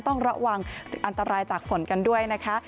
ต้องระวังอันตรายจากฝนกันด้วยนะคะ